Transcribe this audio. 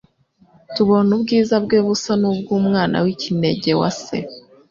tubona ubwiza bwe busa n'ubw'Umwana w'ikinege wa Se.»